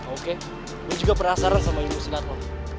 oke gue juga penasaran sama inggris silat lo